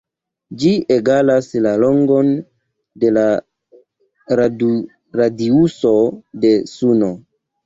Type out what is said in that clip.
Ĝi egalas la longon de la radiuso de Suno.